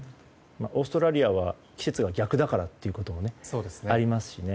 オーストラリアは季節が逆だからということもありますしね。